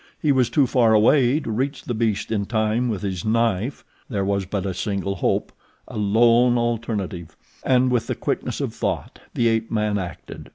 He was too far away to reach the beast in time with his knife. There was but a single hope—a lone alternative. And with the quickness of thought the ape man acted.